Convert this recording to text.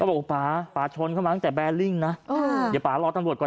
ก็บอกป๊าป๊าชนเขามาตั้งแต่แบร์ลิ่งนะอืมอย่าป๊ารอตำรวจก่อน